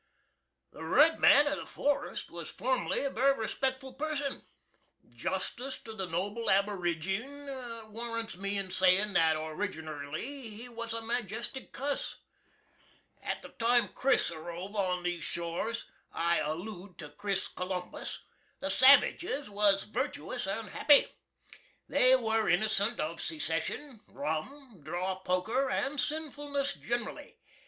The red man of the forest was form'ly a very respectful person. Justice to the noble aboorygine warrants me in sayin' that orrigernerly he was a majestic cuss. At the time CHRIS. arrove on these shores (I allood to CHRIS. COLUMBUS), the savajis was virtoous and happy. They were innocent of secession, rum, draw poker, and sinfulness gin'rally.